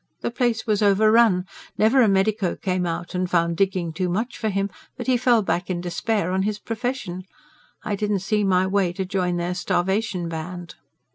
The place was overrun. Never a medico came out and found digging too much for him, but he fell back in despair on his profession. I didn't see my way to join their starvation band."